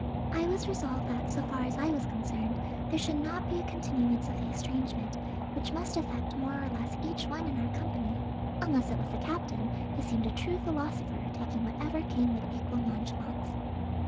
I was resolved that so far as I was concerned there should not be a continuance of the estrangement, which must affect more or less each one in our company, unless it was the captain, who seemed a true philosopher, taking whatever came with equal nonchalance.